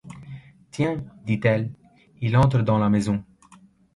Tiens ! dit-elle, il entre dans la maison !